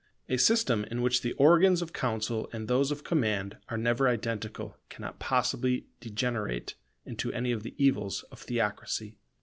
A system in which the organs of counsel and those of command are never identical cannot possibly degenerate into any of the evils of theocracy.